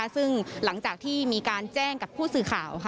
ซึ่งหลังจากที่มีการแจ้งกับผู้สื่อข่าว